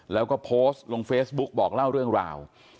แล้วก็โพสต์ลงเฟซบุ๊กบอกเล่าเรื่องราว